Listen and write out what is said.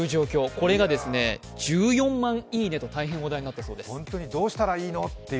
これが１４万いいねと大変話題になったそうです。